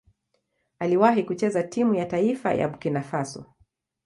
Aliwahi kucheza timu ya taifa ya Burkina Faso.